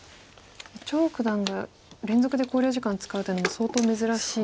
張九段が連続で考慮時間使うというのも相当珍しい。